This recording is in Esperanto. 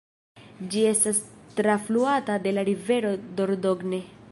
Ĝi estas trafluata de la rivero Dordogne.